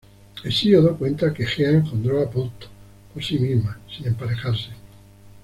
Hesíodo cuenta que Gea engendró a Ponto por sí misma, sin emparejarse.